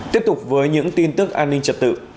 tiếp tục với những tin tức an ninh trật tự